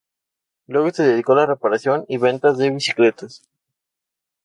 Luego se dedicó a la reparación y venta de bicicletas.